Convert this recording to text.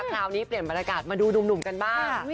คราวนี้เปลี่ยนบรรยากาศมาดูหนุ่มกันบ้าง